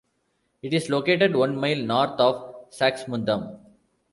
It is located one mile north of Saxmundham.